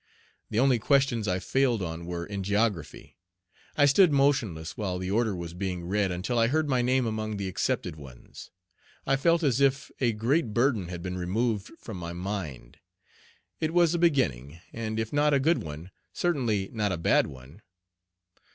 The only questions I failed on were in geography. I stood motionless while the order was being read until I heard my name among the accepted ones. I felt as if a great burden had been removed from my mind. It was a beginning, and if not a good one, certainly not a bad one.